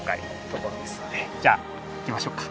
じゃあ行きましょうか。